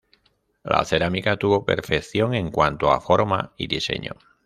La cerámica tuvo perfección en cuanto a forma y diseño.